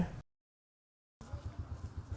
chương tâm y tế